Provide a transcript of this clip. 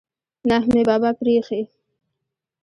نه مې بابا پریښی.